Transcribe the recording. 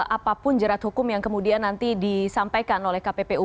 apapun jerat hukum yang kemudian nanti disampaikan oleh kppu